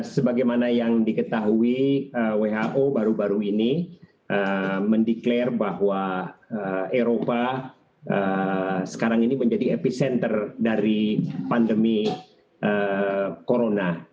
sebagaimana yang diketahui who baru baru ini mendeklarasi bahwa eropa sekarang ini menjadi epicenter dari pandemi corona